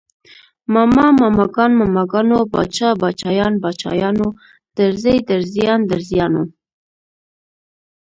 ماما، ماماګان، ماماګانو، باچا، باچايان، باچايانو، درزي، درزيان، درزیانو